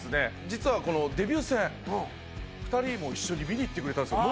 実はこのデビュー戦２人も一緒に見に行ってくれたんですよ